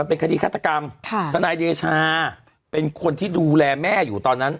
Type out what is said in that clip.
เป็นคดีฆาตกรรมทนายเดชาเป็นคนที่ดูแลแม่อยู่ตอนนั้น